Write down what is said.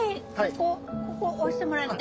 ここ押してもらって。